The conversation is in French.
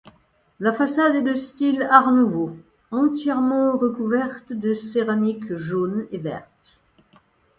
La façade est de style Art nouveau, entièrement recouverte de céramique jaune et verte.